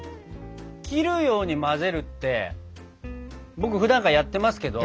「切るように混ぜる」って僕ふだんからやってますけど。